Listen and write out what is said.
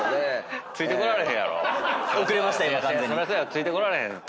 ついてこられへんやろ？